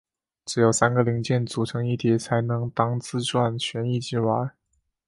只有三个零件组成一体才能当自转旋翼机玩。